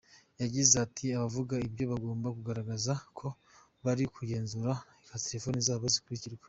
Yagize ati “Abavuga ibyo bagomba kugaragaza ko bari kugenzurwa, ko telefoni zabo zikurikirwa.